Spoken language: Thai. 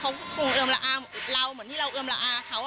เราเหมือนที่เราเอื้อมละอาเขา